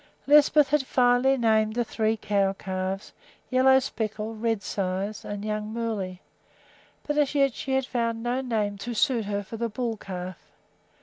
Lisbeth had finally named the three cow calves Yellow Speckle, Redsides, and Young Moolley, but as yet she had found no name to suit her for the bull calf.